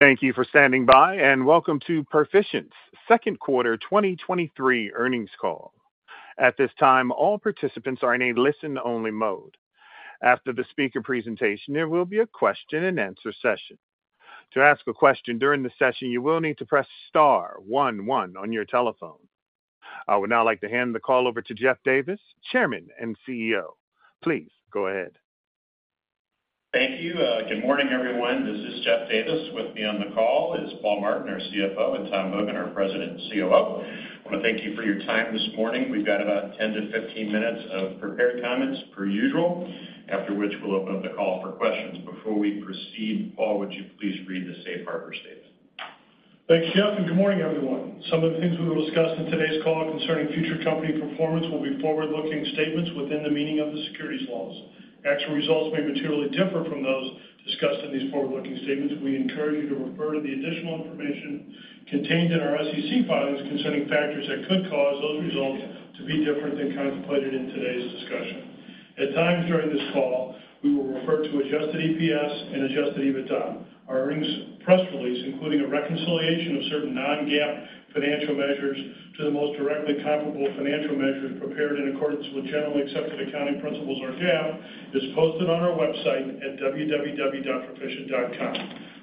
Thank you for standing by, and welcome to Perficient's Second Quarter 2023 earnings call. At this time, all participants are in a listen-only mode. After the speaker presentation, there will be a question-and-answer session. To ask a question during the session, you will need to press star one one on your telephone. I would now like to hand the call over to Jeff Davis, Chairman and CEO. Please go ahead. Thank you. Good morning, everyone. This is Jeff Davis. With me on the call is Paul Martin, our CFO, and Tom Hogan, our President and COO. I want to thank you for your time this morning. We've got about 10-15 minutes of prepared comments per usual, after which we'll open up the call for questions. Before we proceed, Paul, would you please read the safe harbor statement? Thanks, Jeff. Good morning, everyone. Some of the things we will discuss in today's call concerning future company performance will be forward-looking statements within the meaning of the securities laws. Actual results may materially differ from those discussed in these forward-looking statements. We encourage you to refer to the additional information contained in our SEC filings concerning factors that could cause those results to be different than contemplated in today's discussion. At times during this call, we will refer to adjusted EPS and adjusted EBITDA. Our earnings press release, including a reconciliation of certain non-GAAP financial measures to the most directly comparable financial measures prepared in accordance with generally accepted accounting principles, or GAAP, is posted on our website at www.perficient.com.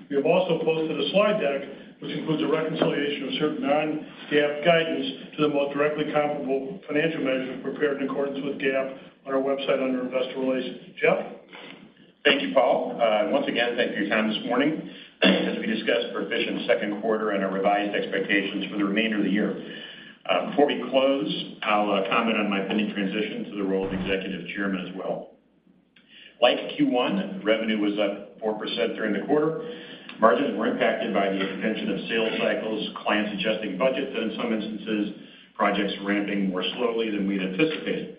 We have also posted a slide deck, which includes a reconciliation of certain non-GAAP guidance to the most directly comparable financial measures prepared in accordance with GAAP on our website under Investor Relations. Jeff? Thank you, Paul. Once again, thank you for your time this morning. As we discuss Perficient's second quarter and our revised expectations for the remainder of the year. Before we close, I'll comment on my pending transition to the role of Executive Chairman as well. Like Q1, revenue was up 4% during the quarter. Margins were impacted by the extension of sales cycles, clients adjusting budgets, and in some instances, projects ramping more slowly than we'd anticipated.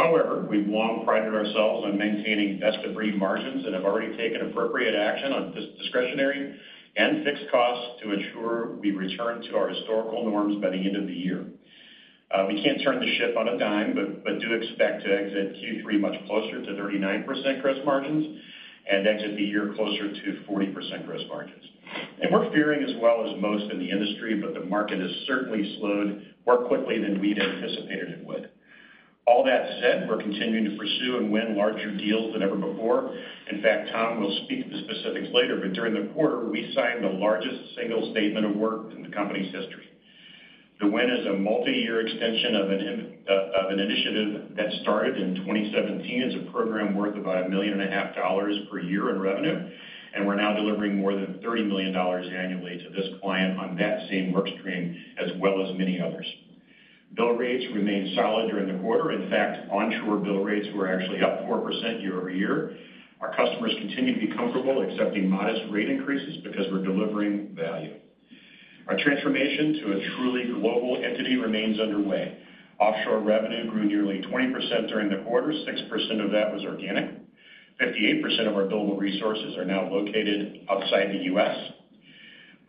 However, we've long prided ourselves on maintaining best-of-breed margins and have already taken appropriate action on discretionary and fixed costs to ensure we return to our historical norms by the end of the year. We can't turn the ship on a dime, but do expect to exit Q3 much closer to 39% gross margins and exit the year closer to 40% gross margins. We're fearing as well as most in the industry, but the market has certainly slowed more quickly than we'd anticipated it would. All that said, we're continuing to pursue and win larger deals than ever before. In fact, Tom will speak to the specifics later, but during the quarter, we signed the largest single statement of work in the company's history. The win is a multiyear extension of an initiative that started in 2017. It's a program worth about a million and a half dollars per year in revenue, and we're now delivering more than $30 million annually to this client on that same work stream, as well as many others. Bill rates remained solid during the quarter. In fact, onshore bill rates were actually up 4% year-over-year. Our customers continue to be comfortable accepting modest rate increases because we're delivering value. Our transformation to a truly global entity remains underway. Offshore revenue grew nearly 20% during the quarter. 6% of that was organic. 58% of our billable resources are now located outside the U.S.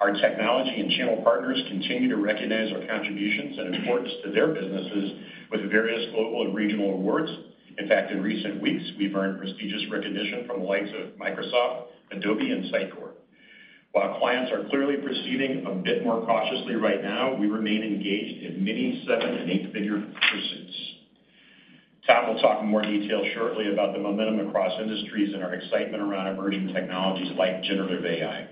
Our technology and channel partners continue to recognize our contributions and importance to their businesses with various global and regional awards. In fact, in recent weeks, we've earned prestigious recognition from the likes of Microsoft, Adobe, and Sitecore. While clients are clearly proceeding a bit more cautiously right now, we remain engaged in many seven and eight-figure pursuits. Tom will talk in more detail shortly about the momentum across industries and our excitement around emerging technologies like generative AI.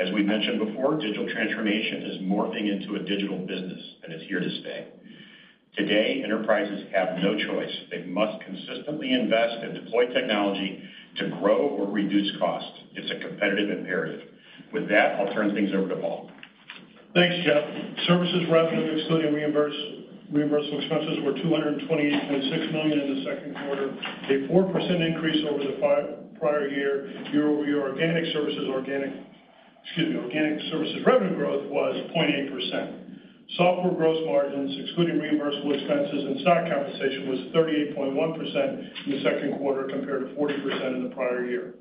As we mentioned before, digital transformation is morphing into a digital business and is here to stay. Today, enterprises have no choice. They must consistently invest and deploy technology to grow or reduce costs. It's a competitive imperative. With that, I'll turn things over to Paul. Thanks, Jeff. Services revenue, excluding reimbursable expenses, were $226 million in the second quarter, a 4% increase over the prior year. Year-over-year, organic services revenue growth was 0.8%. Software gross margins, excluding reimbursable expenses and stock compensation, was 38.1% in the second quarter, compared to 40% in the prior year.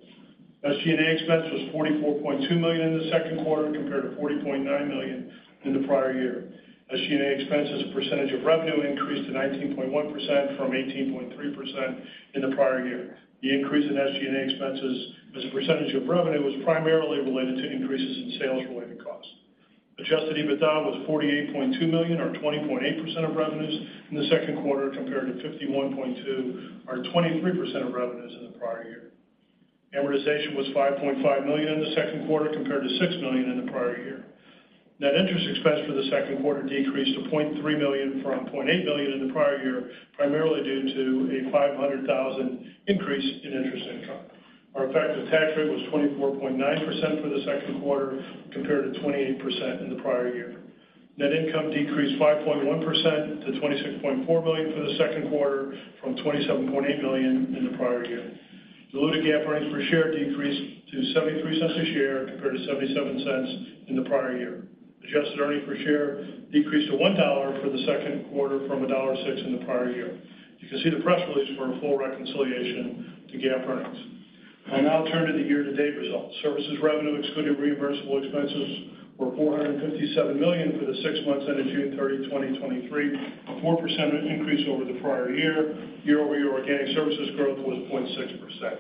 SG&A expense was $44.2 million in the second quarter, compared to $40.9 million in the prior year. SG&A expense as a percentage of revenue increased to 19.1% from 18.3% in the prior year. The increase in SG&A expenses as a percentage of revenue was primarily related to increases in sales-related costs. Adjusted EBITDA was $48.2 million, or 20.8% of revenues, in the second quarter, compared to $51.2 million, or 23% of revenues in the prior year. Amortization was $5.5 million in the second quarter, compared to $6 million in the prior year. Net interest expense for the second quarter decreased to $0.3 million from $0.8 million in the prior year, primarily due to a $500,000 increase in interest income. Our effective tax rate was 24.9% for the second quarter, compared to 28% in the prior year. Net income decreased 5.1% to $26.4 million for the second quarter, from $27.8 million in the prior year. Diluted GAAP earnings per share decreased to $0.73 a share, compared to $0.77 in the prior year. Adjusted earnings per share decreased to $1 for the second quarter from $1.06 in the prior year. You can see the press release for a full reconciliation to GAAP earnings. I now turn to the year-to-date results. Services revenue, excluding reimbursable expenses, were $457 million for the six months ended June 30, 2023, a 4% increase over the prior year. Year-over-year organic services growth was 0.6%.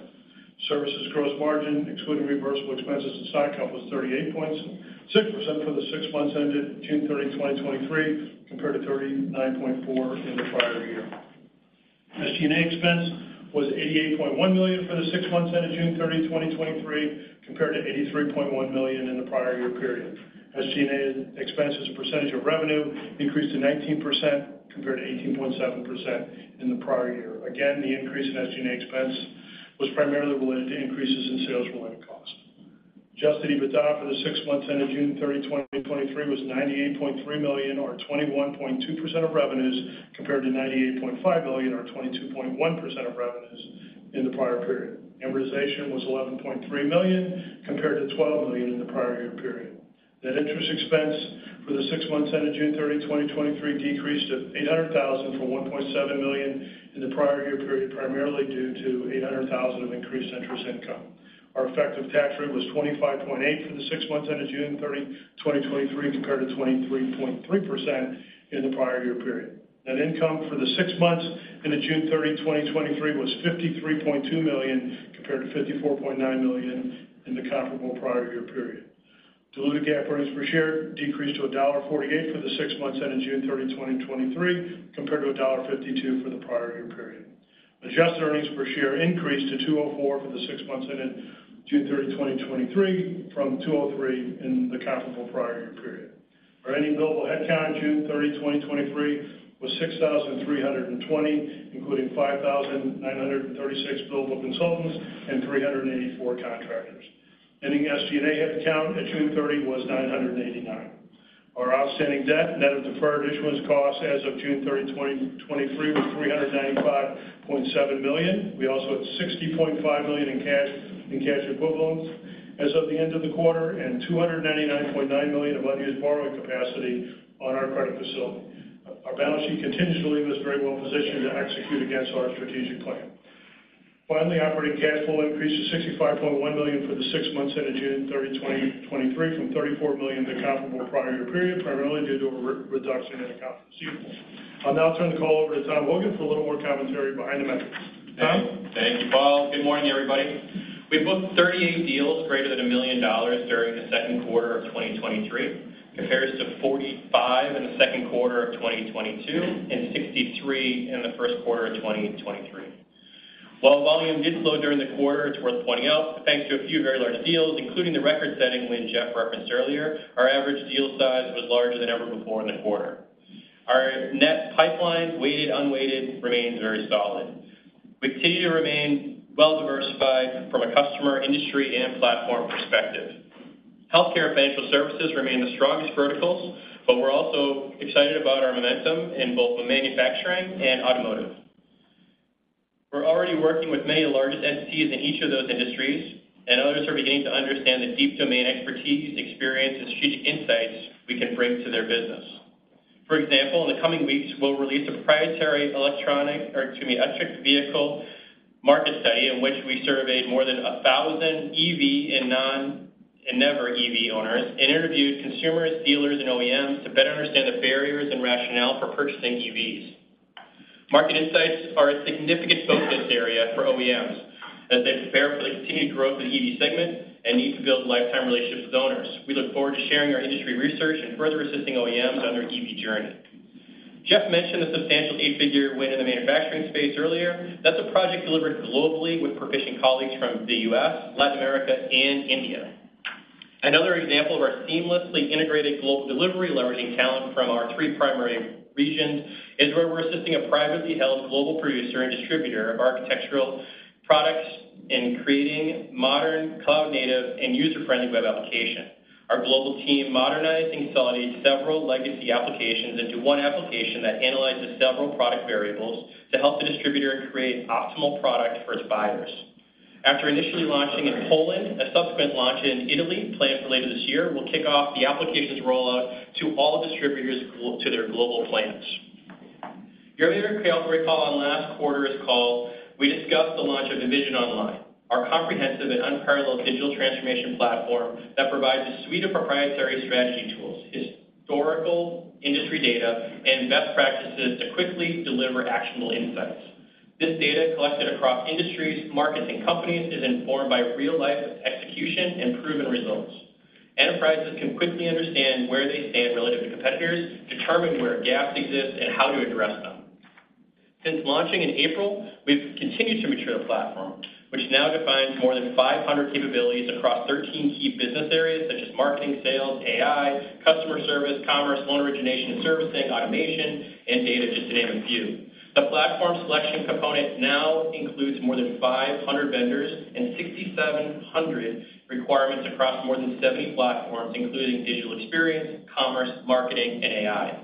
Services gross margin, excluding reversible expenses and stock comp, was 38.6% for the six months ended June 30, 2023, compared to 39.4% in the prior year. SG&A expense was $88.1 million for the six months ended June 30, 2023, compared to $83.1 million in the prior year period. SG&A expense as a percentage of revenue increased to 19%, compared to 18.7% in the prior year. Again, the increase in SG&A expense was primarily related to increases in sales-related costs. Adjusted EBITDA for the six months ended June 30, 2023 was $98.3 million, or 21.2% of revenues, compared to $98.5 million or 22.1% of revenues in the prior period. Amortization was $11.3 million, compared to $12 million in the prior year period. Net interest expense for the six months ended June 30, 2023 decreased to $800,000 from $1.7 million in the prior year period, primarily due to $800,000 of increased interest income. Our effective tax rate was 25.8% for the six months ended June 30, 2023, compared to 23.3% in the prior year period. Net income for the six months ended June 30, 2023 was $53.2 million, compared to $54.9 million in the comparable prior year period. Diluted GAAP earnings per share decreased to $1.48 for the six months ended June 30, 2023, compared to $1.52 for the prior year period. Adjusted earnings per share increased to $2.04 for the six months ended June 30, 2023, from $2.03 in the comparable prior year period. Our ending billable headcount, June 30, 2023, was 6,320, including 5,936 billable consultants and 384 contractors. Ending SG&A headcount at June 30 was 989. Our outstanding debt, net of deferred issuance costs as of June 30, 2023, was $395.7 million. We also had $60.5 million in cash and cash equivalents as of the end of the quarter, and $299.9 million of unused borrowing capacity on our credit facility. Our balance sheet continuously was very well positioned to execute against our strategic plan. Finally, operating cash flow increased to $65.1 million for the six months ended June 30, 2023, from $34 million in the comparable prior year period, primarily due to a reduction in accounts receivable. I'll now turn the call over to Tom Hogan for a little more commentary behind the metrics. Tom? Thank you, Paul. Good morning, everybody. We booked 38 deals greater than $1 million during the second quarter of 2023. Compares to 45 in the second quarter of 2022 and 63 in the first quarter of 2023. While volume did slow during the quarter, it's worth pointing out, thanks to a few very large deals, including the record-setting win Jeff referenced earlier, our average deal size was larger than ever before in the quarter. Our net pipeline, weighted, unweighted, remains very solid. We continue to remain well-diversified from a customer, industry, and platform perspective. Healthcare and financial services remain the strongest verticals. We're also excited about our momentum in both the manufacturing and automotive. We're already working with many of the largest entities in each of those industries. Others are beginning to understand the deep domain expertise, experience, and strategic insights we can bring to their business. For example, in the coming weeks, we'll release a proprietary electronic, or excuse me, electric vehicle market study in which we surveyed more than 1,000 EV and non- and never EV owners and interviewed consumers, dealers, and OEMs to better understand the barriers and rationale for purchasing EVs. Market insights are a significant focus area for OEMs as they prepare for the continued growth of the EV segment and need to build lifetime relationships with owners. We look forward to sharing our industry research and further assisting OEMs on their EV journey. Jeff mentioned the substantial eight-figure win in the manufacturing space earlier. That's a project delivered globally with Perficient colleagues from the U.S., Latin America, and India. Another example of our seamlessly integrated global delivery, leveraging talent from our three primary regions, is where we're assisting a privately held global producer and distributor of architectural products in creating modern, cloud-native, and user-friendly web application. Our global team modernized and consolidated several legacy applications into one application that analyzes several product variables to help the distributor create optimal products for its buyers. After initially launching in Poland, a subsequent launch in Italy, planned for later this year, will kick off the application's rollout to all distributors to their global plans. You may recall on last quarter's call, we discussed the launch of EnvisionOnline, our comprehensive and unparalleled digital transformation platform that provides a suite of proprietary strategy tools, historical industry data, and best practices to quickly deliver actionable insights. This data, collected across industries, markets, and companies, is informed by real-life execution and proven results. Enterprises can quickly understand where they stand relative to competitors, determine where gaps exist, and how to address them. Since launching in April, we've continued to mature the platform, which now defines more than 500 capabilities across 13 key business areas such as marketing, sales, AI, customer service, commerce, loan origination and servicing, automation, and data, just to name a few. The platform selection component now includes more than 500 vendors and 6,700 requirements across more than 70 platforms, including digital experience, commerce, marketing, and AI.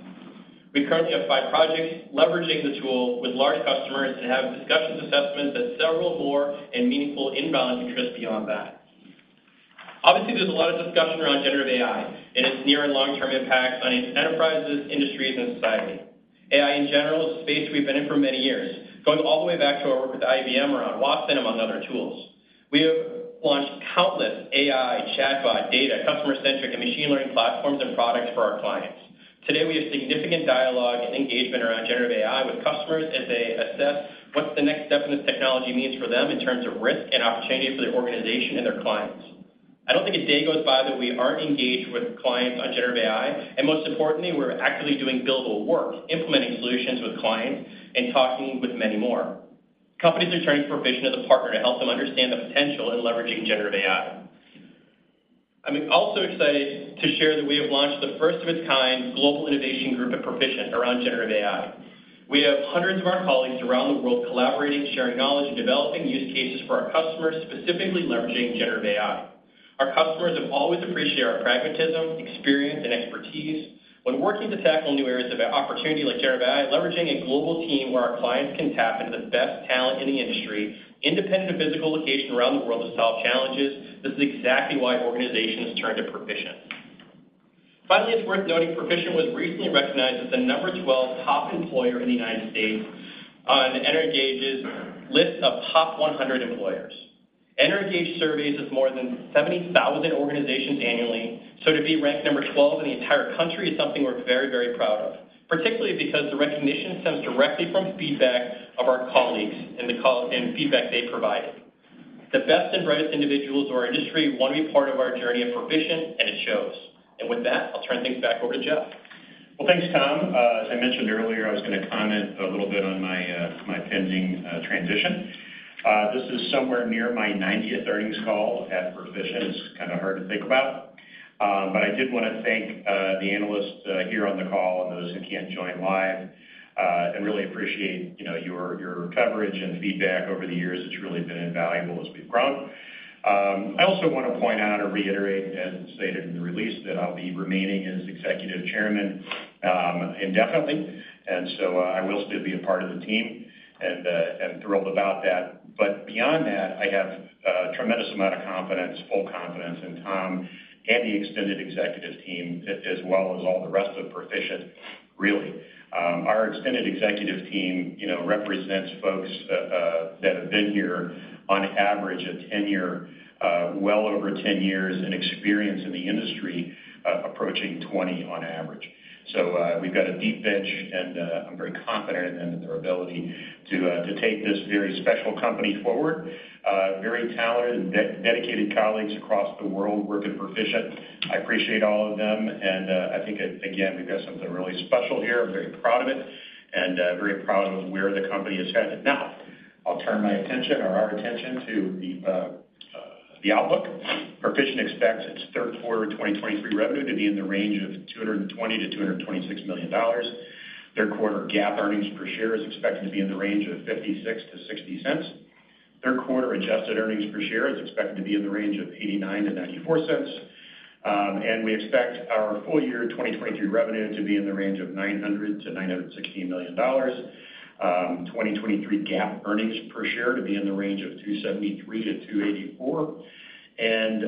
We currently have five projects leveraging the tool with large customers and have discussions assessment that several more and meaningful inbound interest beyond that. Obviously, there's a lot of discussion around generative AI and its near and long-term impacts on enterprises, industries, and society.... AI in general is a space we've been in for many years, going all the way back to our work with IBM around Watson, among other tools. We have launched countless AI, chatbot, data, customer-centric, and machine learning platforms and products for our clients. Today, we have significant dialogue and engagement around generative AI with customers as they assess what the next step in this technology means for them in terms of risk and opportunity for their organization and their clients. I don't think a day goes by that we aren't engaged with clients on generative AI. Most importantly, we're actively doing billable work, implementing solutions with clients, and talking with many more. Companies are turning Perficient as a partner to help them understand the potential in leveraging generative AI. I'm also excited to share that we have launched the first of its kind global innovation group at Perficient around generative AI. We have hundreds of our colleagues around the world collaborating, sharing knowledge, and developing use cases for our customers, specifically leveraging generative AI. Our customers have always appreciated our pragmatism, experience, and expertise. When working to tackle new areas of opportunity like generative AI, leveraging a global team where our clients can tap into the best talent in the industry, independent of physical location around the world, to solve challenges, this is exactly why organizations turn to Perficient. Finally, it's worth noting Perficient was recently recognized as the number 12 top employer in the United States on Energage's list of top 100 employers. Energage surveys of more than 70,000 organizations annually. To be ranked number 12 in the entire country is something we're very proud of, particularly because the recognition stems directly from feedback of our colleagues and the feedback they provided. The best and brightest individuals in our industry want to be part of our journey at Perficient, and it shows. With that, I'll turn things back over to Jeff. Thanks, Tom. As I mentioned earlier, I was going to comment a little bit on my pending transition. This is somewhere near my 90th earnings call at Perficient. It's kind of hard to think about. I did want to thank the analysts here on the call and those who can't join live. I really appreciate, you know, your, your coverage and feedback over the years. It's really been invaluable as we've grown. I also want to point out or reiterate, as stated in the release, that I'll be remaining as Executive Chairman indefinitely. I will still be a part of the team and am thrilled about that. Beyond that, I have a tremendous amount of confidence, full confidence in Tom and the extended executive team, as well as all the rest of Perficient, really. Our extended executive team, you know, represents folks that have been here on average, a tenure, well over 10 years, and experience in the industry, approaching 20 on average. We've got a deep bench, and I'm very confident in them and their ability to take this very special company forward. Very talented and dedicated colleagues across the world work at Perficient. I appreciate all of them, and I think, again, we've got something really special here. I'm very proud of it and very proud of where the company is headed. I'll turn my attention or our attention to the outlook. Perficient expects its third quarter 2023 revenue to be in the range of $220 million-$226 million. Third quarter GAAP earnings per share is expected to be in the range of $0.56-$0.60. Third quarter adjusted earnings per share is expected to be in the range of $0.89-$0.94. We expect our full year 2023 revenue to be in the range of $900 million-$916 million. 2023 GAAP earnings per share to be in the range of $2.73-$2.84, and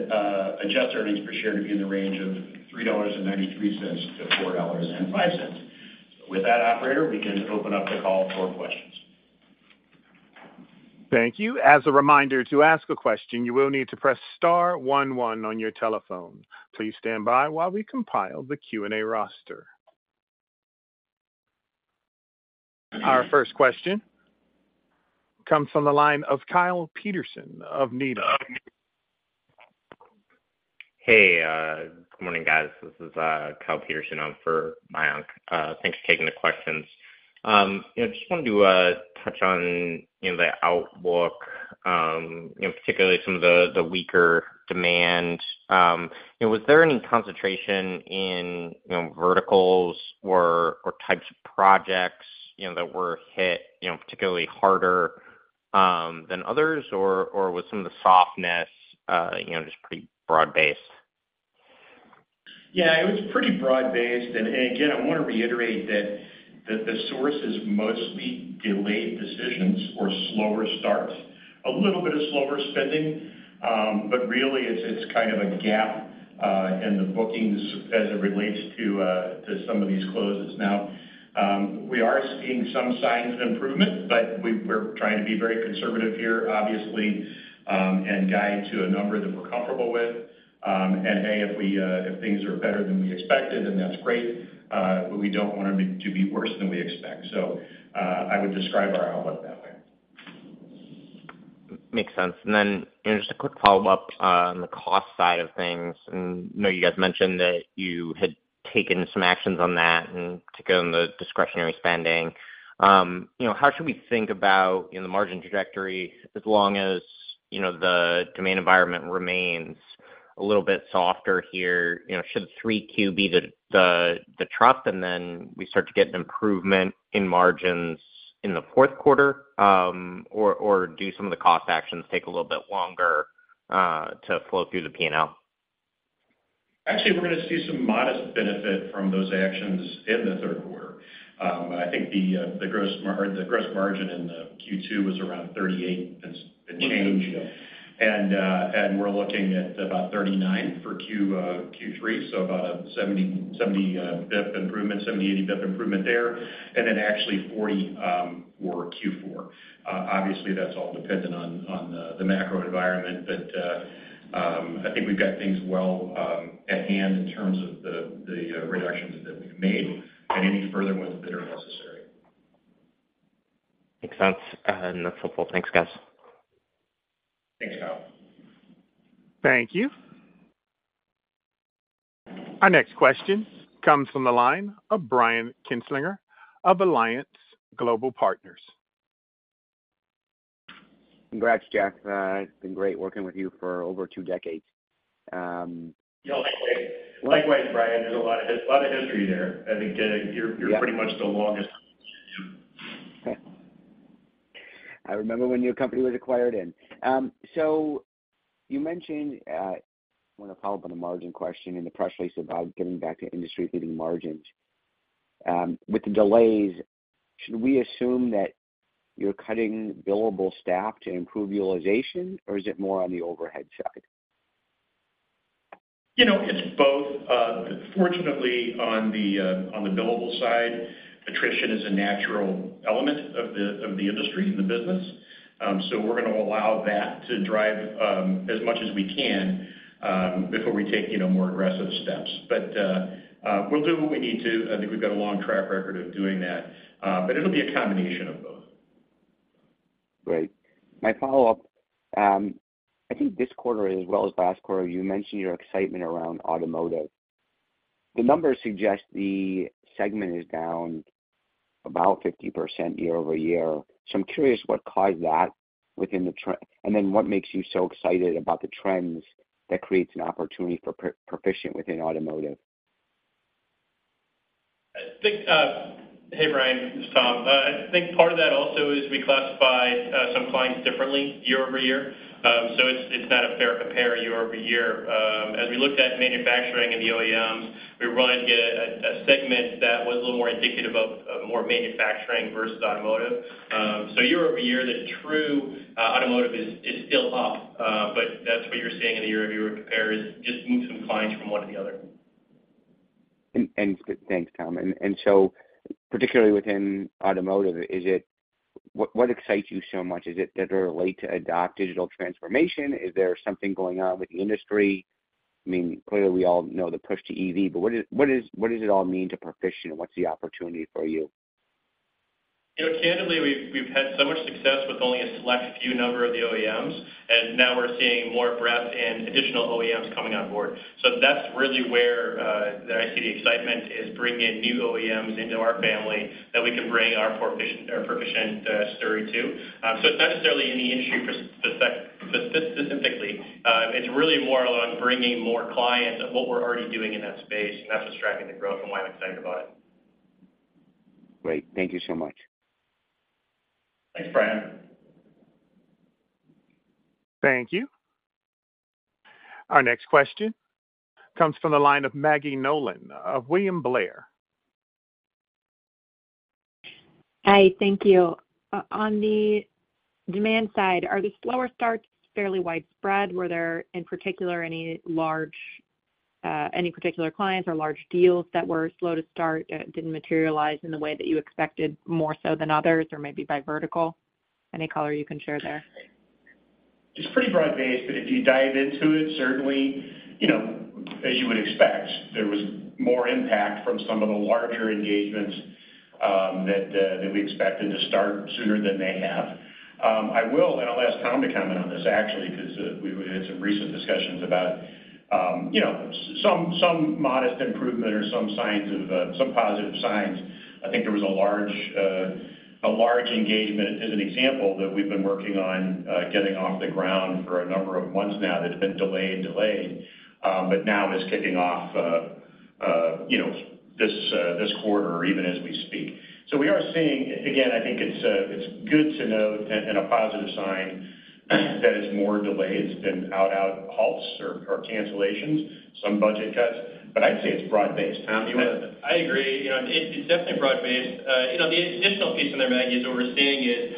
adjusted earnings per share to be in the range of $3.93-$4.05. With that, operator, we can open up the call for questions. Thank you. As a reminder, to ask a question, you will need to press star one one on your telephone. Please stand by while we compile the Q&A roster. Our first question comes from the line of Kyle Peterson of Needham. Hey, good morning, guys. This is Kyle Peterson. I'm for. Thanks for taking the questions. I just wanted to touch on, you know, the outlook, you know, particularly some of the weaker demand. Was there any concentration in, you know, verticals or types of projects, you know, that were hit, you know, particularly harder than others? Was some of the softness, you know, just pretty broad-based? Yeah, it was pretty broad-based. Again, I want to reiterate that, that the source is mostly delayed decisions or slower starts. A little bit of slower spending, but really, it's, it's kind of a gap in the bookings as it relates to some of these closes. Now, we are seeing some signs of improvement, but we're trying to be very conservative here, obviously, and guide to a number that we're comfortable with. Hey, if we, if things are better than we expected, then that's great, but we don't want them to be worse than we expect. I would describe our outlook that way. Makes sense. Just a quick follow-up on the cost side of things. I know you guys mentioned that you had taken some actions on that and taken the discretionary spending. You know, how should we think about, you know, the margin trajectory as long as, you know, the demand environment remains a little bit softer here? You know, should 3Q be the trough, and then we start to get an improvement in margins in the fourth quarter? Or do some of the cost actions take a little bit longer to flow through the P&L? Actually, we're gonna see some modest benefit from those actions in the third quarter. I think the gross margin in the Q2 was around 38, it's a change. We're looking at about 39 for Q3, so about a 70, 80 bip improvement there, and then actually 40 for Q4. Obviously, that's all dependent on the macro environment, but I think we've got things well at hand in terms of the reductions that we've made and any further ones that are necessary. Makes sense. That's helpful. Thanks, guys. Thanks, Kyle. Thank you. Our next question comes from the line of Brian Kinstlinger of Alliance Global Partners. Congrats, Jeff. It's been great working with you for over two decades. Yeah, likewise, Brian. There's a lot of history there. I think that you're pretty much the longest. I remember when your company was acquired in. You mentioned, I wanna follow up on the margin question in the press release about getting back to industry-leading margins. With the delays, should we assume that you're cutting billable staff to improve utilization, or is it more on the overhead side? You know, it's both. Fortunately, on the billable side, attrition is a natural element of the industry and the business. We're gonna allow that to drive as much as we can before we take, you know, more aggressive steps. We'll do what we need to. I think we've got a long track record of doing that, it'll be a combination of both. Great. My follow-up, I think this quarter as well as last quarter, you mentioned your excitement around automotive. The numbers suggest the segment is down about 50% year-over-year. I'm curious what caused that within the tr--. What makes you so excited about the trends that creates an opportunity for Perficient within automotive? I think Hey, Brian, this is Tom. I think part of that also is we classify some clients differently year-over-year. It's not a fair compare year-over-year. As we looked at manufacturing and the OEMs, we wanted to get a segment that was a little more indicative of more manufacturing versus automotive. Year-over-year, the true automotive is still up, but that's what you're seeing in the year-over-year compare, is just move some clients from one to the other. Thanks, Tom. Particularly within automotive, what excites you so much? Is it that they're late to adopt digital transformation? Is there something going on with the industry? I mean, clearly, we all know the push to EV, but what does it all mean to Perficient, and what's the opportunity for you? You know, candidly, we've had so much success with only a select few number of the OEMs, now we're seeing more breadth and additional OEMs coming on board. That's really where that I see the excitement, is bringing in new OEMs into our family, that we can bring our Perficient story to. It's not necessarily any industry specifically. It's really more on bringing more clients of what we're already doing in that space, that's what's driving the growth and why I'm excited about it. Great. Thank you so much. Thanks, Brian. Thank you. Our next question comes from the line of Maggie Nolan, of William Blair. Hi, thank you. On the demand side, are the slower starts fairly widespread? Were there, in particular, any large, any particular clients or large deals that were slow to start, didn't materialize in the way that you expected, more so than others, or maybe by vertical? Any color you can share there? It's pretty broad-based, but if you dive into it, certainly, you know, as you would expect, there was more impact from some of the larger engagements, that we expected to start sooner than they have. I will, and I'll ask Tom to comment on this, actually, 'cause, we had some recent discussions about, you know, some modest improvement or some signs of positive signs. I think there was a large engagement, as an example, that we've been working on, getting off the ground for a number of months now, that's been delayed and delayed, but now is kicking off, you know, this quarter, or even as we speak. We are seeing... I think it's good to note, and a positive sign, that it's more delays than out halts or cancellations, some budget cuts, but I'd say it's broad-based. Tom, you want to. I agree. You know, it, it's definitely broad-based. You know, the additional piece in there, Maggie, is what we're seeing is,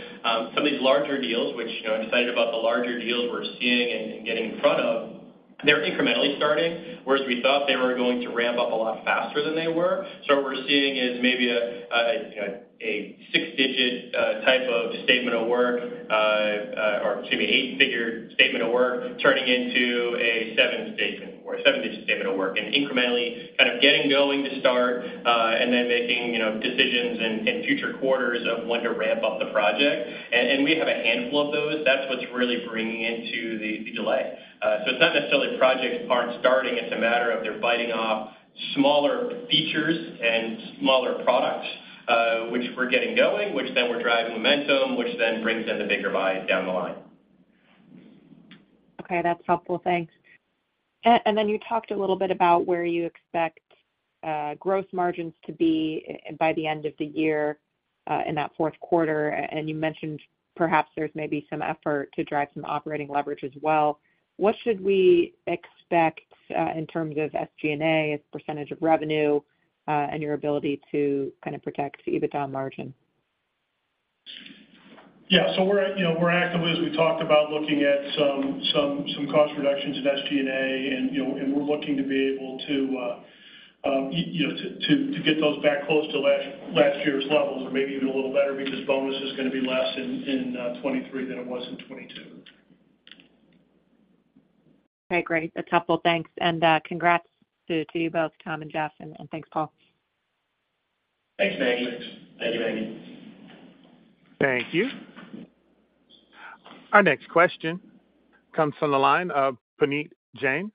some of these larger deals, which, you know, I'm excited about the larger deals we're seeing and getting in front of, they're incrementally starting, whereas we thought they were going to ramp up a lot faster than they were. What we're seeing is maybe a six-digit type of statement of work, or excuse me, an 8-figure statement of work turning into a seven statement of work, a seven-digit statement of work, and incrementally kind of getting going to start, and then making, you know, decisions in future quarters of when to ramp up the project. We have a handful of those. That's what's really bringing into the delay. It's not necessarily projects aren't starting, it's a matter of they're biting off smaller features and smaller products, which we're getting going, which then we're driving momentum, which then brings in the bigger buys down the line. Okay, that's helpful. Thanks. Then you talked a little bit about where you expect-.... gross margins to be by the end of the year, in that fourth quarter, and you mentioned perhaps there's maybe some effort to drive some operating leverage as well. What should we expect, in terms of SG&A as a percentage of revenue, and your ability to kind of protect the EBITDA margin? We're, you know, we're actively, as we talked about, looking at some cost reductions in SG&A, and, you know, and we're looking to be able to, you know, to get those back close to last year's levels or maybe even a little better because bonus is going to be less in 2023 than it was in 2022. Okay, great. A couple thanks, and congrats to you both, Tom and Jeff, and thanks, Paul. Thanks, Maggie. Thank you, Maggie. Thank you. Our next question comes from the line of Puneet Jain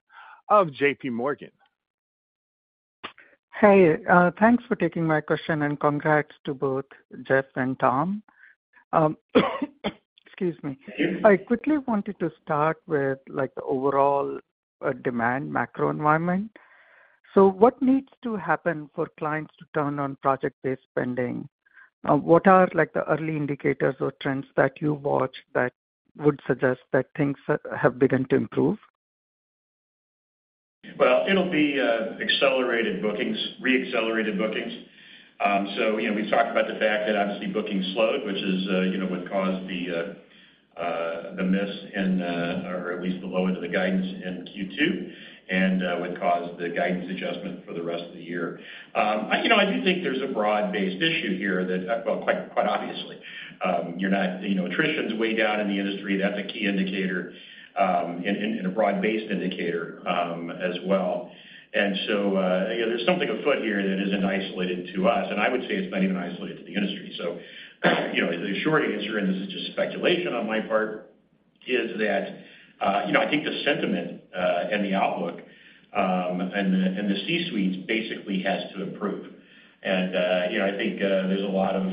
of JPMorgan. Hey, thanks for taking my question, and congrats to both Jeff and Tom. Excuse me. I quickly wanted to start with, like, the overall demand macro environment. What needs to happen for clients to turn on project-based spending? What are, like, the early indicators or trends that you watch that would suggest that things have begun to improve? Well, it'll be accelerated bookings, re-accelerated bookings. You know, we talked about the fact that obviously bookings slowed, which is, you know, what caused the miss in the, or at least the low end of the guidance in Q2, and what caused the guidance adjustment for the rest of the year. You know, I do think there's a broad-based issue here that, well, quite obviously. You're not, you know, attrition's way down in the industry. That's a key indicator, and a broad-based indicator as well. You know, there's something afoot here that isn't isolated to us, and I would say it's not even isolated to the industry. You know, the short answer, and this is just speculation on my part, is that, you know, I think the sentiment, and the outlook, and the, and the C-suites basically has to improve. You know, I think, there's a lot of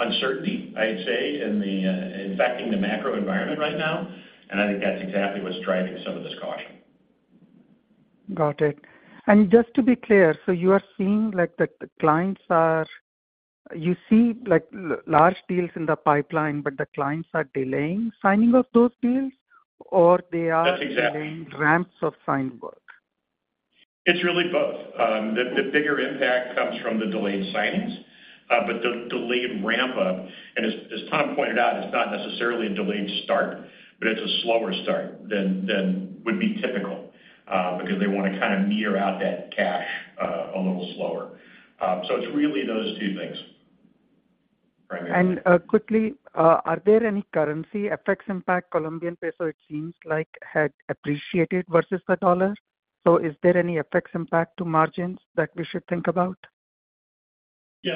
uncertainty, I'd say, in the affecting the macro environment right now, and I think that's exactly what's driving some of this caution. Got it. Just to be clear, You see, like, large deals in the pipeline, the clients are delaying signing of those deals, or they are? That's exactly. Ramps of signed work? It's really both. The bigger impact comes from the delayed signings, but the delayed ramp up, and as Tom pointed out, it's not necessarily a delayed start, but it's a slower start than would be typical, because they want to kind of meter out that cash a little slower. It's really those two things. Quickly, are there any currency effects impact Colombian peso? It seems like had appreciated versus the US dollar. Is there any effects impact to margins that we should think about? There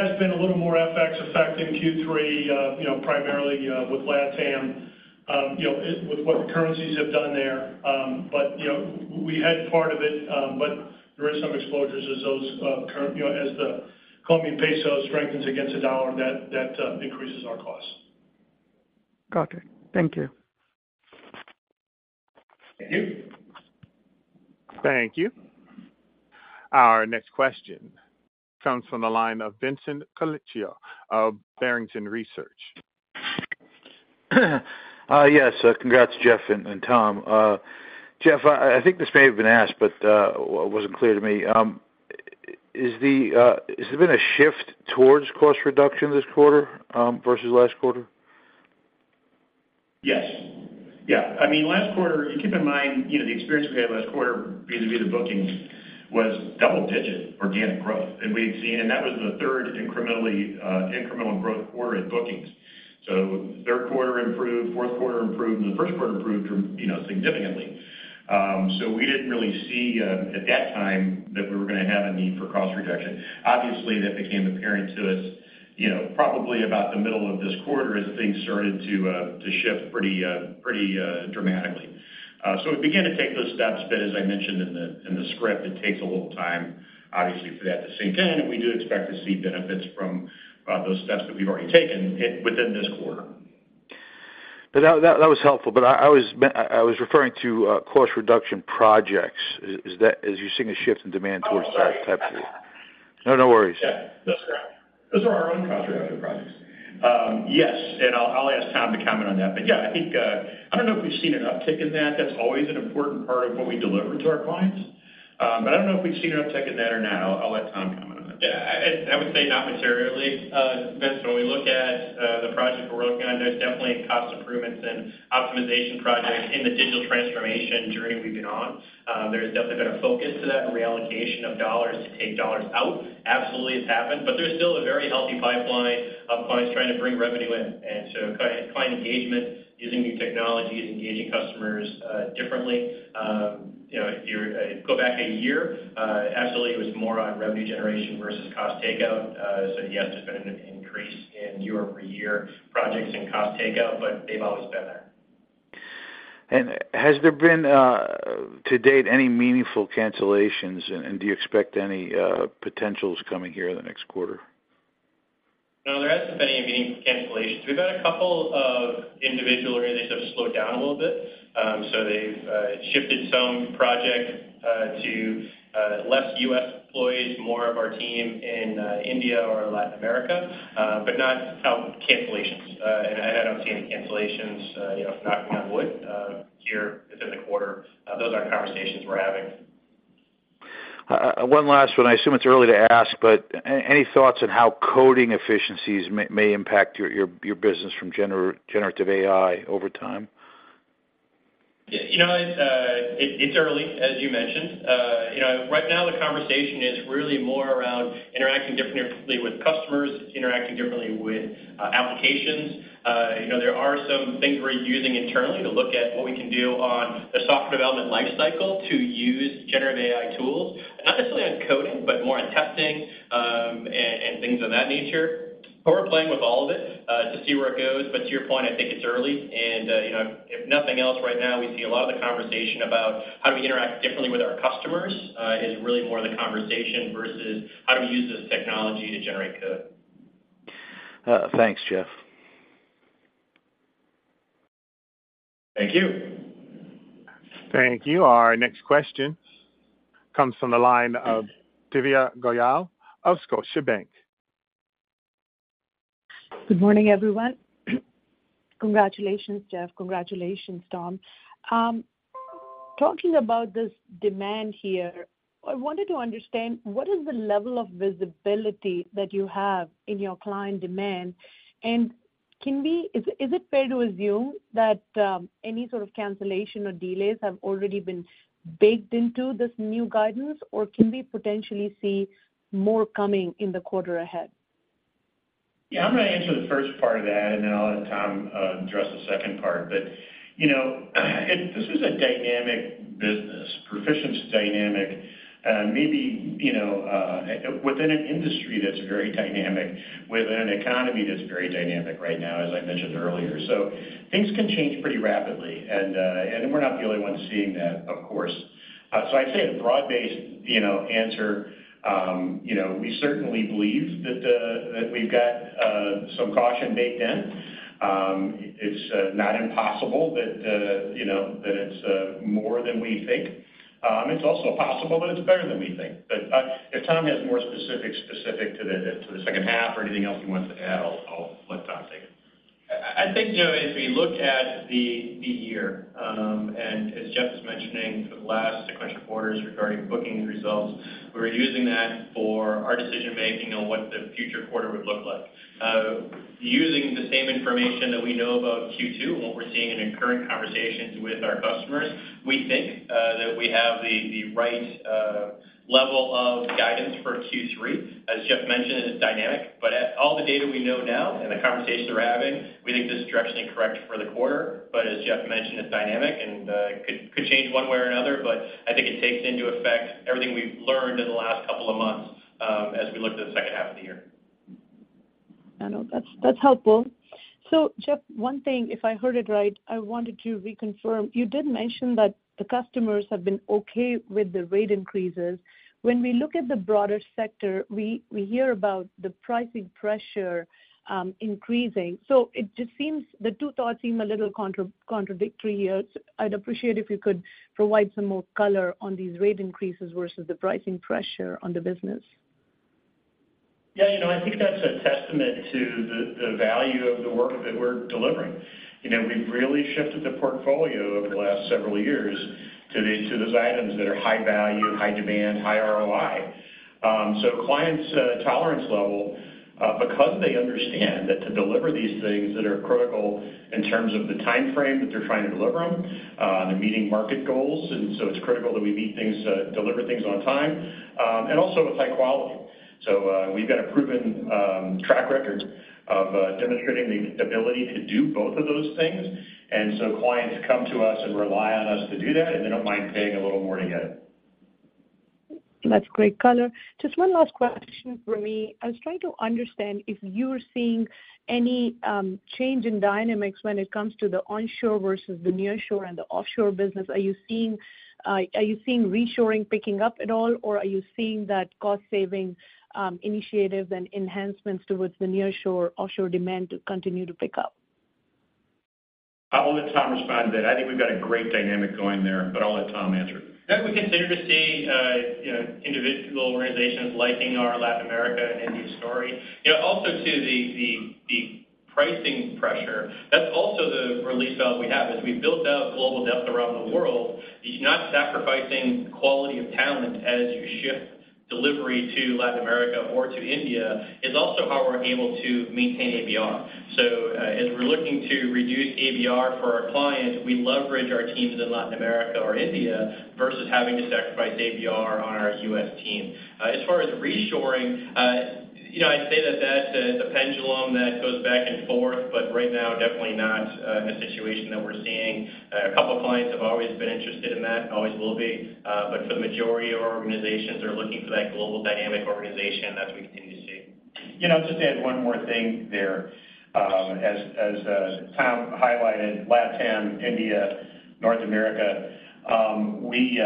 has been a little more FX effect in Q3, you know, primarily, with LatAm, you know, it with what currencies have done there. But, you know, we had part of it, but there is some exposures as those, you know, as the Colombian peso strengthens against the dollar, that increases our costs. Got it. Thank you. Thank you. Thank you. Our next question comes from the line of Vincent Colicchio of Barrington Research. Yes, congrats, Jeff and Tom. Jeff, I think this may have been asked, but it wasn't clear to me. Has there been a shift towards cost reduction this quarter versus last quarter? Yes. Yeah. I mean, last quarter, keep in mind, you know, the experience we had last quarter vis-à-vis the bookings was double-digit organic growth. That was the third incrementally incremental growth quarter in bookings. Third quarter improved, fourth quarter improved, and the first quarter improved from, you know, significantly. We didn't really see at that time, that we were gonna have a need for cost reduction. Obviously, that became apparent to us, you know, probably about the middle of this quarter as things started to shift pretty dramatically. We began to take those steps, but as I mentioned in the script, it takes a little time, obviously, for that to sink in, and we do expect to see benefits from those steps that we've already taken it within this quarter. That was helpful, but I was referring to cost reduction projects. Is that, are you seeing a shift in demand towards that type of thing? Oh, sorry. No, no worries. Yeah, that's correct. Those are our own cost reduction projects. Yes, I'll ask Tom to comment on that. Yeah, I think, I don't know if we've seen an uptick in that. That's always an important part of what we deliver to our clients. I don't know if we've seen an uptick in that or not. I'll let Tom comment on that. I would say not materially, Vincent. When we look at the projects we're working on, there's definitely cost improvements and optimization projects in the digital transformation journey we've been on. There's definitely been a focus to that reallocation of dollars to take dollars out. Absolutely, it's happened, but there's still a very healthy pipeline of clients trying to bring revenue in. Client engagement, using new technologies, engaging customers, differently. You know, if you're, go back one year, absolutely it was more on revenue generation versus cost takeout. Yes, there's been an increase in year-over-year projects and cost takeout, but they've always been there. Has there been, to date, any meaningful cancellations, and do you expect any potentials coming here in the next quarter? ... No, there hasn't been any meeting cancellations. We've had a couple of individual organizations have slowed down a little bit. They've shifted some projects to less U.S. employees, more of our team in India or Latin America, but not out cancellations. I don't see any cancellations, you know, knocking on wood, here within the quarter. Those aren't conversations we're having. One last one. I assume it's early to ask. Any thoughts on how coding efficiencies may impact your business from generative AI over time? You know, it's early, as you mentioned. You know, right now the conversation is really more around interacting differently with customers, interacting differently with applications. You know, there are some things we're using internally to look at what we can do on the software development life cycle to use generative AI tools, not necessarily on coding, but more on testing, and things of that nature. We're playing with all of it to see where it goes. To your point, I think it's early, and you know, if nothing else, right now, we see a lot of the conversation about how do we interact differently with our customers, is really more the conversation versus how do we use this technology to generate code. Thanks, Jeff. Thank you. Thank you. Our next question comes from the line of Divya Goyal of Scotiabank. Good morning, everyone. Congratulations, Jeff. Congratulations, Tom. Talking about this demand here, I wanted to understand, what is the level of visibility that you have in your client demand? Is it fair to assume that any sort of cancellation or delays have already been baked into this new guidance, or can we potentially see more coming in the quarter ahead? Yeah, I'm gonna answer the first part of that, and then I'll let Tom address the second part. You know, this is a dynamic business. Perficient's dynamic, maybe, you know, within an industry that's very dynamic, within an economy that's very dynamic right now, as I mentioned earlier. Things can change pretty rapidly, and we're not the only ones seeing that, of course. I'd say a broad-based, you know, answer, you know, we certainly believe that we've got some caution baked in. It's not impossible that, you know, that it's more than we think. It's also possible that it's better than we think. If Tom has more specific to the second half or anything else he wants to add, I'll let Tom take it. I think, you know, as we look at the year, and as Jeff was mentioning, for the last sequential quarters regarding booking results, we're using that for our decision-making on what the future quarter would look like. Using the same information that we know about Q2 and what we're seeing in current conversations with our customers, we think that we have the right level of guidance for Q3. As Jeff mentioned, it's dynamic, but at all the data we know now and the conversations we're having, we think this is directionally correct for the quarter. As Jeff mentioned, it's dynamic and could change one way or another, but I think it takes into effect everything we've learned in the last couple of months, as we look to the second half of the year. I know. That's, that's helpful. Jeff, one thing, if I heard it right, I wanted to reconfirm. You did mention that the customers have been okay with the rate increases. When we look at the broader sector, we hear about the pricing pressure increasing. It just seems, the two thoughts seem a little contradictory here. I'd appreciate if you could provide some more color on these rate increases versus the pricing pressure on the business. You know, I think that's a testament to the value of the work that we're delivering. You know, we've really shifted the portfolio over the last several years to these, to those items that are high value, high demand, high ROI. Clients' tolerance level, because they understand that to deliver these things that are critical in terms of the time frame that they're trying to deliver them, they're meeting market goals. It's critical that we meet things, deliver things on time, and also with high quality. We've got a proven track record of demonstrating the ability to do both of those things. Clients come to us and rely on us to do that, and they don't mind paying a little more to get it. That's great color. Just one last question for me. I was trying to understand if you're seeing any change in dynamics when it comes to the onshore versus the nearshore and the offshore business. Are you seeing reshoring picking up at all, or are you seeing that cost-saving initiatives and enhancements towards the nearshore-offshore demand to continue to pick up? I'll let Tom respond to that. I think we've got a great dynamic going there, but I'll let Tom answer. Yeah, we continue to see, you know, individual organizations liking our Latin America and India story. You know, also, too, the pricing pressure, that's also the release valve we have. As we built out global depth around the world, you're not sacrificing quality of talent as you shift delivery to Latin America or to India, is also how we're able to maintain ABR. As we're looking to reduce ABR for our client, we leverage our teams in Latin America or India versus having to sacrifice ABR on our U.S. team. As far as reshoring, you know, I'd say that that's a pendulum that goes back and forth, but right now, definitely not a situation that we're seeing. A couple of clients have always been interested in that and always will be, but for the majority of our organizations are looking for that global dynamic organization, as we continue to see. You know, just to add one more thing there. As, as, Tom highlighted, LatAm, India, North America, we,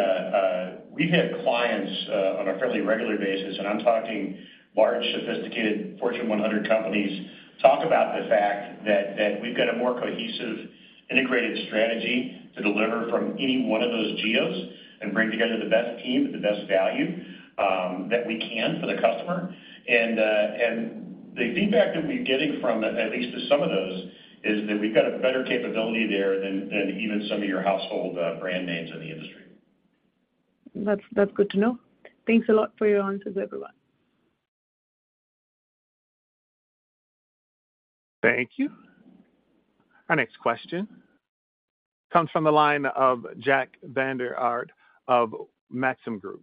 we've had clients on a fairly regular basis, and I'm talking large, sophisticated Fortune 100 companies, talk about the fact that we've got a more cohesive, integrated strategy to deliver from any one of those geos and bring together the best team at the best value, that we can for the customer. The feedback that we're getting from, at least to some of those, is that we've got a better capability there than even some of your household, brand names in the industry. That's good to know. Thanks a lot for your answers, everyone. Thank you. Our next question comes from the line of Jack Vander Aarde of Maxim Group.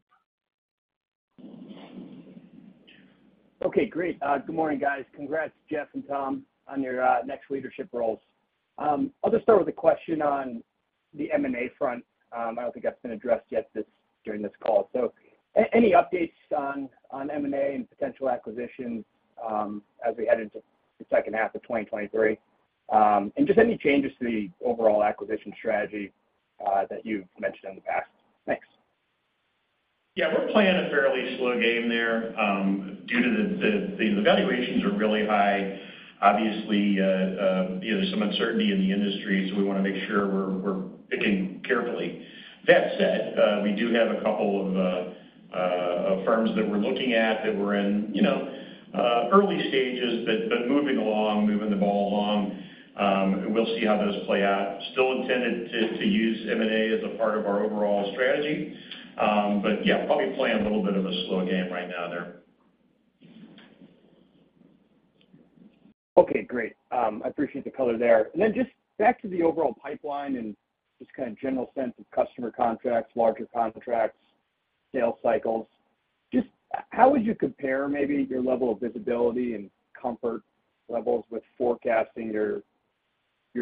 Okay, great. Good morning, guys. Congrats, Jeff and Tom, on your next leadership roles. I'll just start with a question on the M&A front. I don't think that's been addressed yet during this call. Any updates on M&A and potential acquisitions as we head into the second half of 2023? Just any changes to the overall acquisition strategy that you've mentioned in the past? Thanks. Yeah, we're playing a fairly slow game there, due to the valuations are really high. Obviously, you know, there's some uncertainty in the industry, so we wanna make sure we're picking carefully. That said, we do have a couple of firms that we're looking at, that we're in, you know, early stages, but moving along, moving the ball along. We'll see how those play out. Still intended to use M&A as a part of our overall strategy. Yeah, probably playing a little bit of a slow game right now there. Okay, great. I appreciate the color there. Just back to the overall pipeline and just kind of general sense of customer contracts, larger contracts, sales cycles. Just how would you compare maybe your level of visibility and comfort levels with forecasting your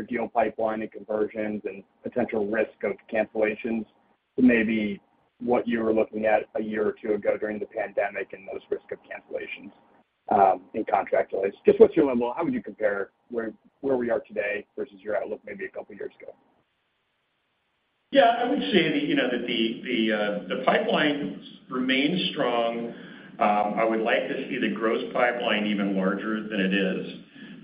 deal pipeline and conversions and potential risk of cancellations to maybe what you were looking at a year or two ago during the pandemic and those risk of cancellations in contract delays? Just what's your level? How would you compare where we are today versus your outlook maybe a couple years ago? Yeah, I would say that, you know, that the pipeline remains strong. I would like to see the gross pipeline even larger than it is.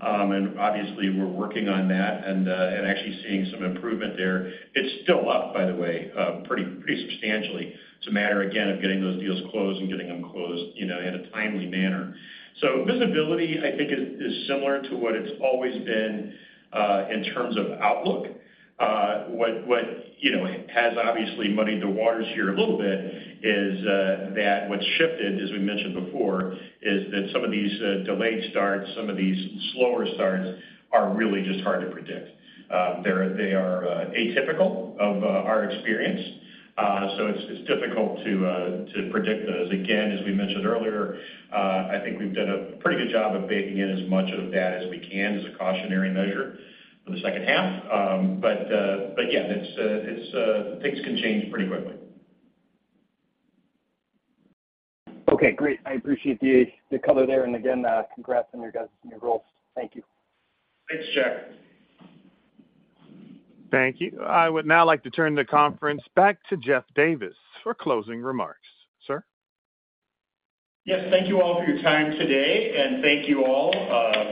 Obviously, we're working on that and actually seeing some improvement there. It's still up, by the way, pretty substantially. It's a matter, again, of getting those deals closed and getting them closed, you know, in a timely manner. Visibility, I think, is similar to what it's always been in terms of outlook. What, you know, has obviously muddied the waters here a little bit is that what's shifted, as we mentioned before, is that some of these delayed starts, some of these slower starts, are really just hard to predict. They are atypical of our experience. It's, it's difficult to predict those. Again, as we mentioned earlier, I think we've done a pretty good job of baking in as much of that as we can as a cautionary measure for the second half. Yeah, it's, it's, things can change pretty quickly. Okay, great. I appreciate the color there. Again, congrats on your roles. Thank you. Thanks, Jack. Thank you. I would now like to turn the conference back to Jeff Davis for closing remarks. Sir? Yes, thank you all for your time today, and thank you all,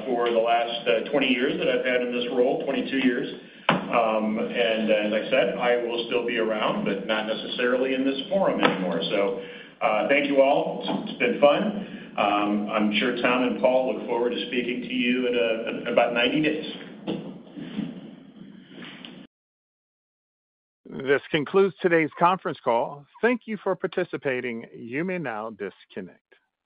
for the last, 20 years that I've had in this role, 22 years. As I said, I will still be around, but not necessarily in this forum anymore. Thank you all. It's been fun. I'm sure Tom and Paul look forward to speaking to you in about 90 days. This concludes today's conference call. Thank you for participating. You may now disconnect.